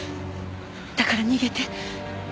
だから逃げて。